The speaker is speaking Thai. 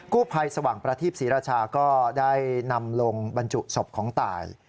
กู้ภัยสว่างประทีปศรีราชาก็ได้นำลงบรรจุศพของตาย